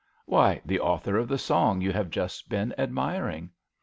*' Why, the author of the song you have just been admiring."